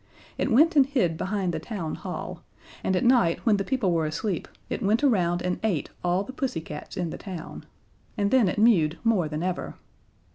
It went and hid behind the Town Hall, and at night when the people were asleep it went around and ate all the pussy cats in the town. And then it mewed more than ever.